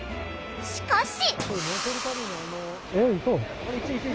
しかし。